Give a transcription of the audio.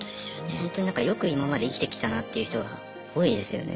ほんとになんかよく今まで生きてきたなっていう人が多いですよね。